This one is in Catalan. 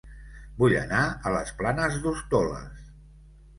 Vull anar a Les Planes d'Hostoles